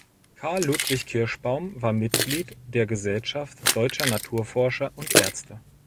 Carl Ludwig Kirschbaum war Mitglied der Gesellschaft Deutscher Naturforscher und Ärzte.